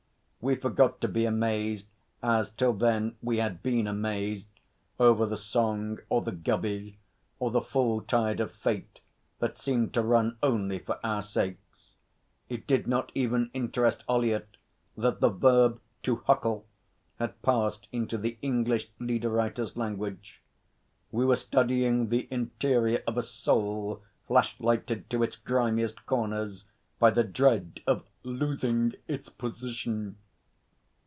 We forgot to be amazed, as till then we had been amazed, over the Song or 'The Gubby,' or the full tide of Fate that seemed to run only for our sakes. It did not even interest Ollyett that the verb 'to huckle' had passed into the English leader writers' language. We were studying the interior of a soul, flash lighted to its grimiest corners by the dread of 'losing its position.'